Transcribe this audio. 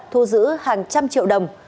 thu giữ hàng trăm triệu đồng